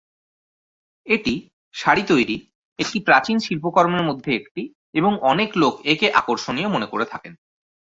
এটি শাড়ি তৈরি একটি প্রাচীন শিল্পকর্মের মধ্যে একটি এবং অনেক লোক একে আকর্ষণীয় মনে করে থাকেন।